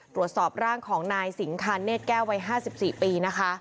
ตรวจสอบร่างของนายสิงค์คานเนทแก้ววัย๕๔ปี